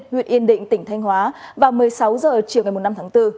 huyện yên định tỉnh thanh hóa vào một mươi sáu h chiều ngày năm tháng bốn